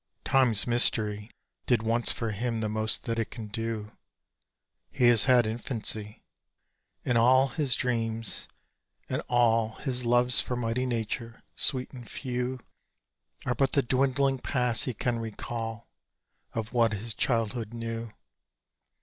Time's mystery Did once for him the most that it can do: He has had infancy. And all his dreams, and all His loves for mighty Nature, sweet and few, Are but the dwindling past he can recall Of what his childhood knew.